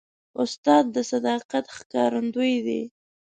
استاد د صداقت ښکارندوی دی.